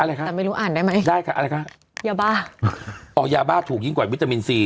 แต่ไม่รู้อ่านได้ไหมได้ค่ะอะไรคะยาบ้าอ๋อยาบ้าถูกยิ่งกว่าวิตามินซี